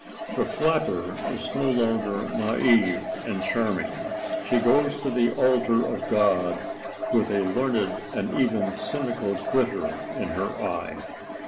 The flapper is no longer naïve and charming; she goes to the altar of God with a learned and even cynical glitter in her eye.